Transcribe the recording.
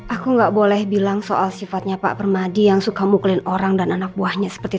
aku nggak boleh bilang soal sifatnya pak permadi yang suka mukulin orang dan anak buahnya seperti